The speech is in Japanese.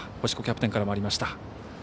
星子キャプテンからもありました。